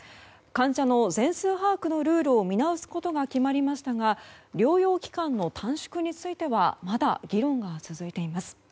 患者の全数把握のルールを見直すことが決まりましたが療養期間についてはまだ議論が続いています。